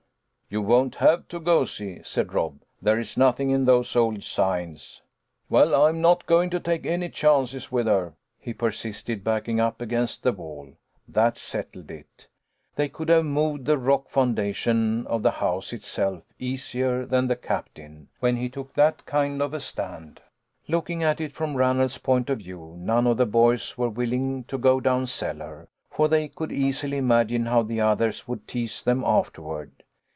" You won't have to, goosey," said Rob. " There's nothing in those old signs." "Well, I am not going to take any chances with her," he persisted, backing up against the wall. That settled it. They could have moved the rock foun dation of the house itself easier than the captain, when he took that kind of a stand. Looking at it A HALLO WE 'EJV PARTY. I$? from Ranald's point of view, none of the boys were willing to go down cellar, for they could easily imagine how the others would tease them afterward.